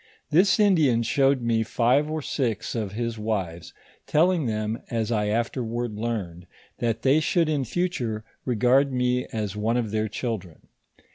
This In dian showed me five or six of his wives, telling them, as I afterward learned, that they should in future regard me as one of their children.